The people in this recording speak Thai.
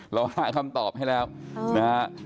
เราหาคำตอบให้แล้วนะฮะ